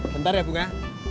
bentar ya bunga